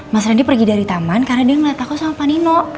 mas randy pergi dari taman karena dia ngeliat aku sama panino